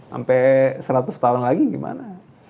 sampai seratus tahun lagi gimana